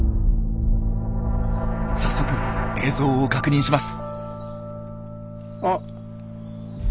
早速映像を確認します。